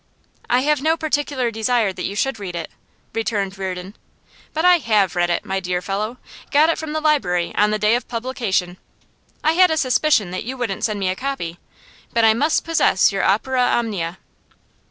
'I have no particular desire that you should read it,' returned Reardon. 'But I HAVE read it, my dear fellow. Got it from the library on the day of publication; I had a suspicion that you wouldn't send me a copy. But I must possess your opera omnia.